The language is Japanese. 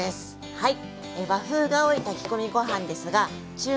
はい。